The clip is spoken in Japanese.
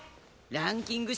ランキング